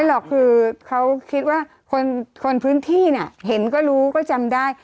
หรอกคือเขาคิดว่าคนพื้นที่เนี่ยเห็นก็รู้ก็จำได้